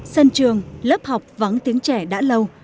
sân trường lớp học vắng tiếng trẻ đã lâu